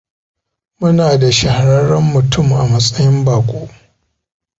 Muna da shaharren mutum a matsayin baƙo.